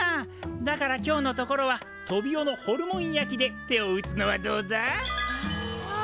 だから今日のところはトビオのホルモン焼きで手を打つのはどうだ？